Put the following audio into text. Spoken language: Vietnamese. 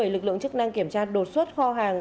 lực lượng chức năng kiểm tra đột xuất kho hàng